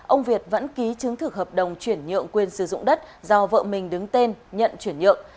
ông việt vẫn ký chứng thực hợp đồng chuyển nhượng quyền sử dụng đất do vợ mình đứng tên nhận chuyển nhượng